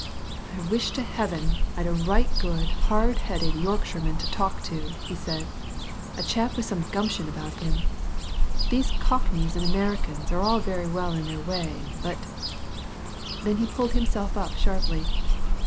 "I wish to Heaven I'd a right good, hard headed Yorkshireman to talk to!" he said. "A chap with some gumption about him! These Cockneys and Americans are all very well in their way, but " Then he pulled himself up sharply.